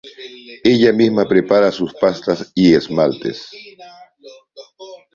Ella misma prepara sus pastas y esmaltes.